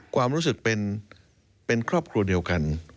ความรู้สึกเป็นครอบครัวเดียวกัน